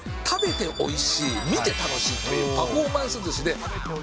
食べておいしい、見て楽しいというパフォーマンスずしで。